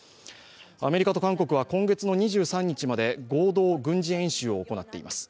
アメリカと韓国は今月の２３日まで合同軍事演習を行っています。